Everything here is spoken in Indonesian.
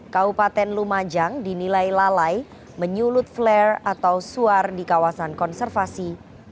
kabupaten lumajang dinilai lalai menyulut flare atau suar di kawasan konservasi